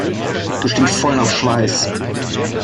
Du stinkst voll nach Schweiß.